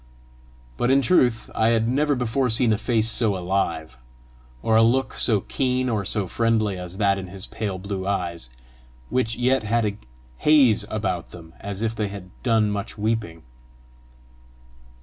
But in truth I had never before seen a face so alive, or a look so keen or so friendly as that in his pale blue eyes, which yet had a haze about them as if they had done much weeping.